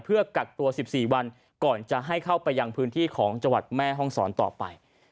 เพื่อกักตัว๑๔วันก่อนจะให้เข้าไปยังพื้นที่ของจังหวัดแม่ห้องศรต่อไป